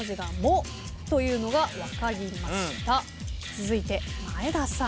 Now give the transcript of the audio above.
続いて前田さん。